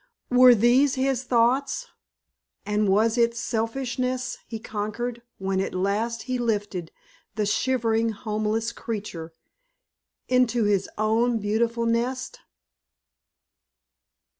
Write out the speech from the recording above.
Were these his thoughts, and was it selfishness he conquered when at last he lifted the shivering homeless creature into his own beautiful nest?